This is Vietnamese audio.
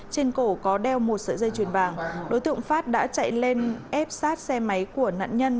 trên cổ có đeo một sợi dây chuyền vàng đối tượng phát đã chạy lên ép sát xe máy của nạn nhân